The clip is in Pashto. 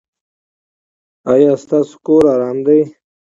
ایا ستاسو کور ارام دی؟